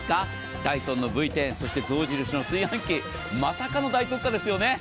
ダイソンのＶ１０、そして象印の炊飯器、まさかの大特価ですよね。